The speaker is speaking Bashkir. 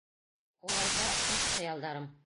Улайһа, хуш хыялдарым!